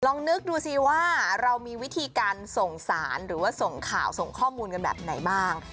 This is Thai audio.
นึกดูสิว่าเรามีวิธีการส่งสารหรือว่าส่งข่าวส่งข้อมูลกันแบบไหนบ้าง